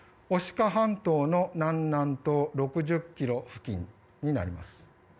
牡鹿半島の南南東６０ｋｍ付近となります。